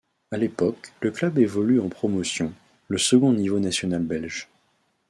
À l'époque le club évolue en Promotion, le second niveau national belge.